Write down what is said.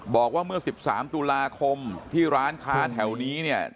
บอกว่าเมื่อ๑๓ตุลาคมที่ร้านค้าแถวนี้เนี่ย